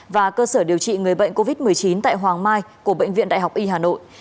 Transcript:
và cơ sở điều trị người bệnh covid một mươi chín tại hoàng mai của bệnh viện đại học y hà nội